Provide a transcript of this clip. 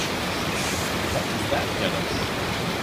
What does that get us?